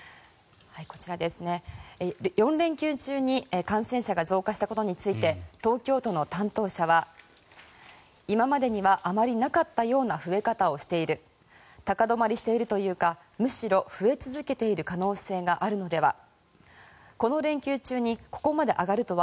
４連休中に感染者が増加したことについて東京都の担当者は今までにはあまりなかったような増え方をしている高止まりしているというかむしろ増え続けている可能性があるのでは。